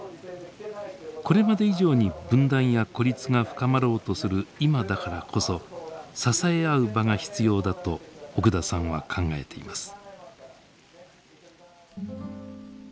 これまで以上に分断や孤立が深まろうとする今だからこそ支え合う場が必要だと奥田さんは考えています。